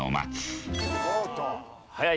早い。